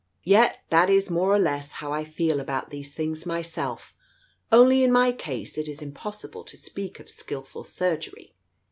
"Yet that is, more or less, how I feel about these things myself. Only in my case it is impos sible to speak of skilful surgery